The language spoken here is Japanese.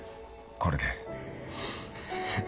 これで。